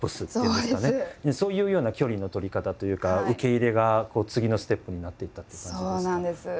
そういうような距離の取り方というか受け入れが次のステップになっていったという感じなんですか？